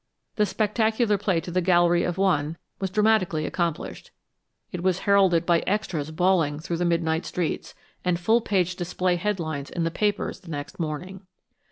The spectacular play to the gallery of one was dramatically accomplished; it was heralded by extras bawled through the midnight streets, and full page display headlines in the papers the next morning.